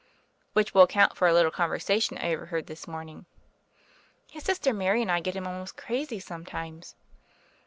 "Which will account for a little conversation I overheard this morning." "His sister Mary and I get him almost crazy sometimes."